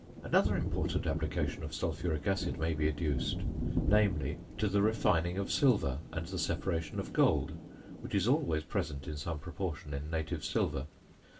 Another important application of sulphuric acid may be adduced; namely, to the refining of silver and the separation of gold, which is always present in some proportion in native silver.